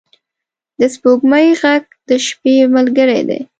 د سپوږمۍ ږغ د شپې ملګری دی.